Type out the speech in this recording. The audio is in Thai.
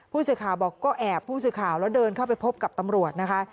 ผู้สื่อข่าวบอกก็แอบผู้สื่อข่าวแล้วเดินเข้าไปพบกับตำรวจนะคะ